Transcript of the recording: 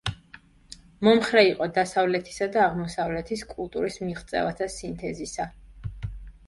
მომხრე იყო დასავლეთისა და აღმოსავლეთის კულტურის მიღწევათა სინთეზისა.